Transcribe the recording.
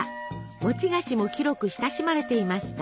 餅菓子も広く親しまれていました。